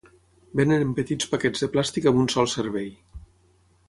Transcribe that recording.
Vénen en petits paquets de plàstic amb un sol servei.